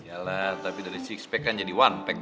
jalan tapi dari six pack kan jadi one pack